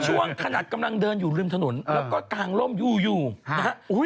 ช่วงขนาดกำลังเดินอยู่ริมถนนแล้วก็กางร่มอยู่อยู่นะฮะ